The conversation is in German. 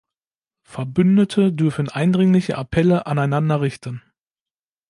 Verbündete dürfen eindringliche Appelle aneinander richten.